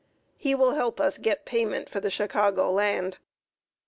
He will help us get payment for Chicago land."